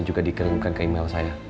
juga dikirimkan ke email saya